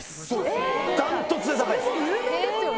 それ有名ですよね。